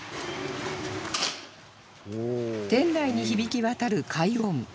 店内に響き渡る快音